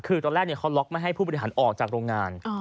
คือตอนแรกเขาล็อกไม่ให้ผู้บริหารออกจากโรงงาน